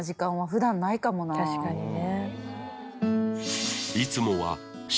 確かにね。